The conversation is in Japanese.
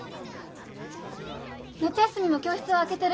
・夏休みも教室は開けてる。